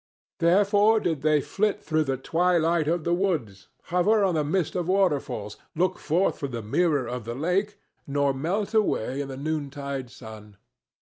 Therefore did they flit through the twilight of the woods, hover on the mist of waterfalls, look forth from the mirror of the lake, nor melt away in the noontide sun.